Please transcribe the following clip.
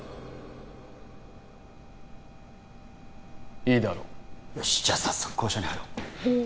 いいだろうよしじゃあ早速交渉に入ろうおー